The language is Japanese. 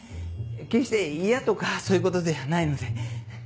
決して嫌とかそういうことではないので。